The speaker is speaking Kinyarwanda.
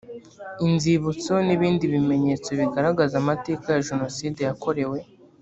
inzibutso n ibindi bimenyetso bigaragaza amateka ya jenoside yakorewe